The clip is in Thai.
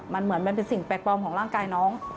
มันเหมือนมันเป็นสิ่งแปลกปลอมของร่างกายน้อง